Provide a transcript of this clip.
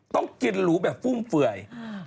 ต้องกินหรูแบบฟุ่มเฟื่อย